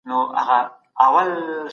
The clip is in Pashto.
بې ایماني د بدمرغۍ او تباهۍ سبب ګرځي.